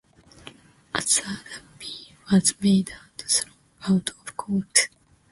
A third appeal was made and thrown out of court.